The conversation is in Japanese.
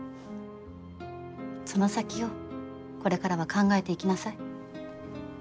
その先をこれからは考えていきなさい。